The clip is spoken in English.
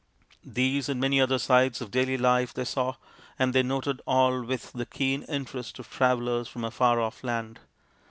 These and many other sights of daily life they saw, and they noted all with the keen interest of travellers from a far off land.